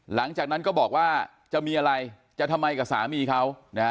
หลังจากนั้นก็บอกว่าจะมีอะไรจะทำไมกับสามีเขานะฮะ